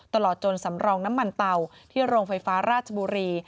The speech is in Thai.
ตลอดจนสำรองน้ำมันเตาที่โรงไฟฟ้าราชบุรี